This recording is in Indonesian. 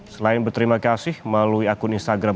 selain berterima kasih melalui akun instagram